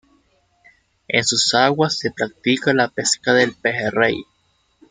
En sus aguas se practica la pesca del pejerrey.